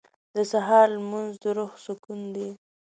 • د سهار لمونځ د روح سکون دی.